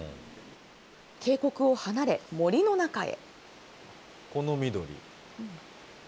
渓谷を離れ、森の中へ。